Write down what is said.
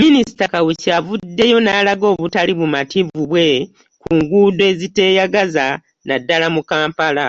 Minisita Kawuki avuddeyo n'alaga obutali bumativu bwe ku nguudo eziteeyagaza nnaddala mu Kampala.